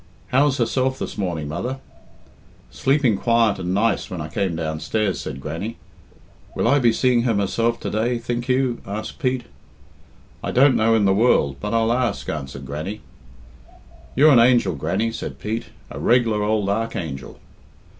"How's herself this morning, mother?" "Sleeping quiet and nice when I came downstairs," said Grannie. "Will I be seeing her myself to day, think you?" asked Pete. "I don't know in the world, but I'll ask," answered Grannie. "You're an angel, Grannie," said Pete, "a reg'lar ould archangel."